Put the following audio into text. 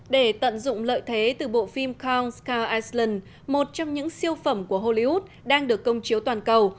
để tận dụng lợi thế từ bộ phim con scard iceland một trong những siêu phẩm của hollywood đang được công chiếu toàn cầu